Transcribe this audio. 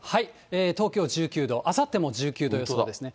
東京１９度、あさっても１９度予想ですね。